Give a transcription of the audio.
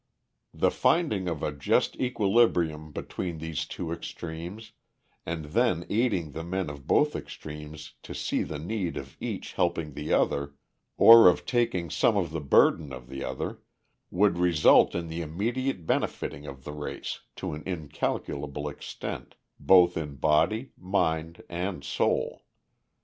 The finding of a just equilibrium between these two extremes, and then aiding the men of both extremes to see the need of each helping the other, or of taking some of the burden of the other, would result in the immediate benefiting of the race to an incalculable extent, both in body, mind, and soul.